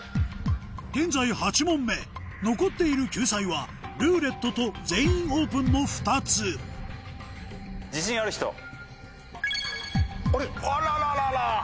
現在８問目残っている救済は「ルーレット」と「全員オープン」の２つあらららら！